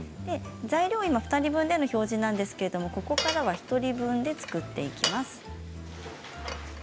材料は２人分の表示ですがここからは１人分で作っていきます。